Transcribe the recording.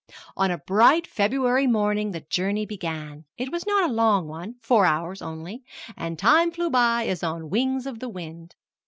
On a bright February morning the journey began. It was not a long one four hours only and the time flew by as on wings of the wind.